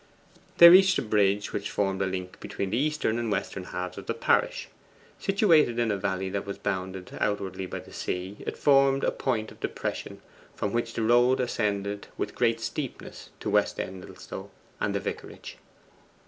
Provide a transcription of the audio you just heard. They reached the bridge which formed a link between the eastern and western halves of the parish. Situated in a valley that was bounded outwardly by the sea, it formed a point of depression from which the road ascended with great steepness to West Endelstow and the Vicarage.